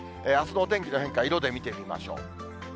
あすのお天気の変化、色で見てみましょう。